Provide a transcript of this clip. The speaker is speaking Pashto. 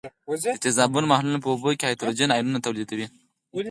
د تیزابونو محلولونه په اوبو کې هایدروجن آیونونه تولیدوي.